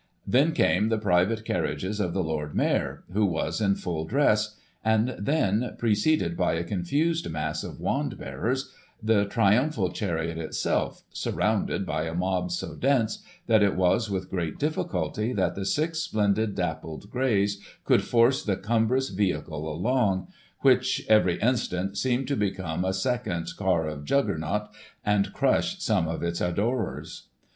Then came the private carriages of the Lord Mayor, who was in full dress ; and then, preceded by a confused mass of wand bearers, the triumphal chariot itself, surrounded by a mob so dense that it was with great difficulty that the six splendid dappled greys could force the cumbrous vehicle along, which, every instant, seemed to become a second Car of Juggernaut, and crush some of its adorers.